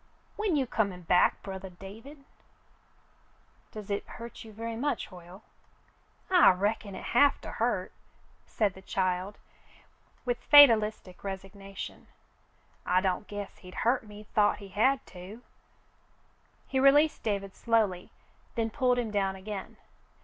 When you comin' back, brothah David ?" "Does itjburt you very much, Hoyle.'^" "I reckon hit have to hurt," said the child, with fatalis Doctor Hoyle speaks his Mind 217 tic resignation. "I don't guess he'd hurt me 'thoiit he had to." He released David slowly, then pulled him down again.